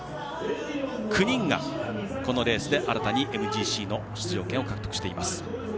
９人がこのレースで新たにＭＧＣの出場権を獲得しています。